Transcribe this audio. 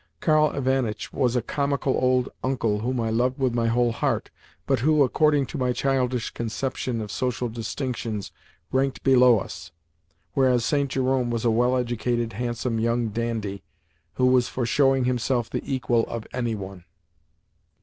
Karl Ivanitch was a comical old "Uncle" whom I loved with my whole heart, but who, according to my childish conception of social distinctions, ranked below us, whereas St. Jerome was a well educated, handsome young dandy who was for showing himself the equal of any one.